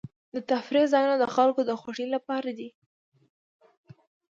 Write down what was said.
د تفریح ځایونه د خلکو د خوښۍ لپاره دي.